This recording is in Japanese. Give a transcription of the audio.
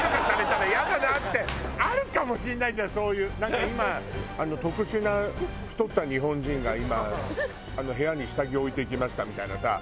あるかもしれないじゃんそういう「なんか今特殊な太った日本人が今部屋に下着を置いていきました」みたいなさ。